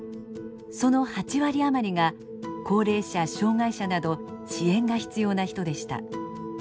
その８割余りが高齢者・障害者など支援が必要な人でした。